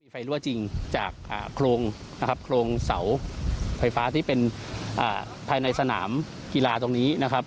ไฟรั่วจริงจากโครงนะครับโครงเสาไฟฟ้าที่เป็นภายในสนามกีฬาตรงนี้นะครับ